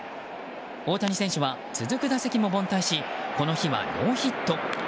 大谷選手は続く打席も凡退しこの日はノーヒット。